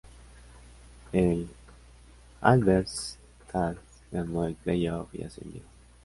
El Halberstadt ganó el playoff y ascendió.